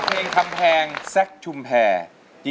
เพลงคำแพงแซคชุมแพร